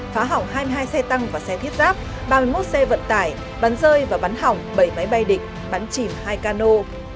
phá hỏng hai mươi hai xe tăng và xe thiết giáp ba mươi một xe vận tải bắn rơi và bắn hỏng bảy máy bay địch bắn chìm hai cano